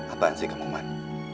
apaan sih kamu man